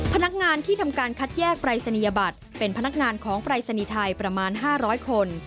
พนักงานที่ทำการคัดแยกปรายศนียบัตรเป็นพนักงานของปรายศนีย์ไทยประมาณ๕๐๐คน